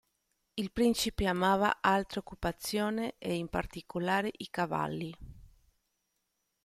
Il principe amava altre occupazioni e in particolare i cavalli.